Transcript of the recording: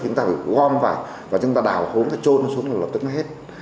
thì chúng ta phải gom vào và chúng ta đào hốm trôn nó xuống là lập tức nó hết